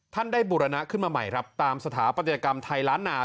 ท่านได้บูรณะขึ้นมาใหม่ครับตามสถาปัตยกรรมไทยล้านนา